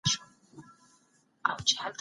پلار مي وویل چي د یووالي لاره د خلاصون لاره ده.